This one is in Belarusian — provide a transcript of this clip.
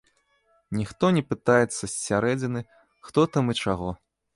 Ніхто не пытаецца з сярэдзіны, хто там і чаго.